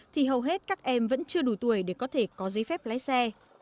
thì hầu hết các em vẫn chưa đủ tuổi để có thể có giấy phép lái xe